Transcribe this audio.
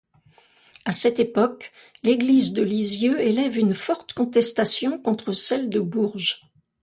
À cette époque, l'Église de Lisieux élève une forte contestation contre celle de Bourges.